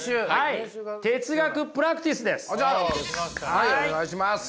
はいお願いします。